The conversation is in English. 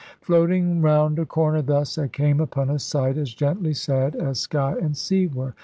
Floating round a corner thus, I came upon a sight as gently sad as sky and sea were.